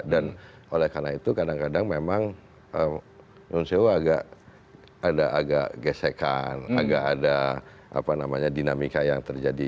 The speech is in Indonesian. dan oleh karena itu kadang kadang memang nusirwan agak gesekan agak ada dinamika yang terjadi